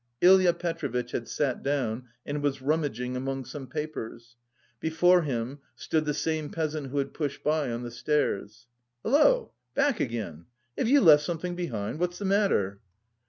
Ilya Petrovitch had sat down and was rummaging among some papers. Before him stood the same peasant who had pushed by on the stairs. "Hulloa! Back again! have you left something behind? What's the matter?"